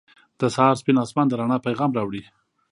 • د سهار سپین آسمان د رڼا پیغام راوړي.